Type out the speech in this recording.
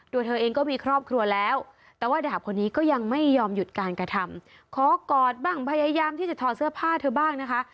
เธอเองก็มีครอบครัวแล้วแต่ว่าดาบคนนี้ก็ยังไม่ยอมหยุดการกระทำขอกอดบ้างพยายามที่จะถอดเสื้อผ้าเธอบ้างนะคะ